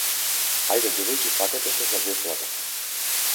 Ајде девојки фатете се за веслата.